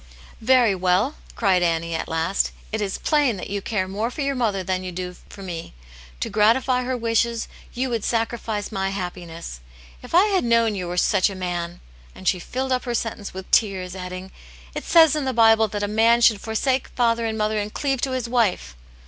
"Very well!" cried Annie, at last. "It is plain that you care more for your mother than you do for me. To gratify her wishes you would sacrifice my happiness. If I had known you were such a man " and she filled up her sentence with tears, adding, "It says in the Bible that a man should forsake father and mother, and cleave to his wife."